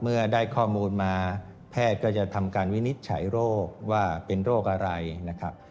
เมื่อได้ข้อมูลมาแพทย์ก็จะทำการวินิจฉัยโรคว่าเป็นโรคอะไรนะครับ